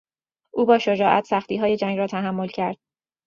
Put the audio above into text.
او با شجاعت سختیهای جنگ را تحمل کرد.